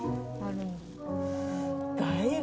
だいぶ。